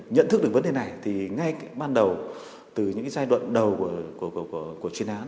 nhận thức được vấn đề này thì ngay ban đầu từ những giai đoạn đầu của chuyên án